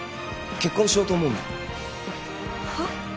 結婚しようと思うんだ。